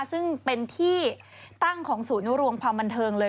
ซึ่งเป็นที่ตั้งของศูนย์รวมความบันเทิงเลย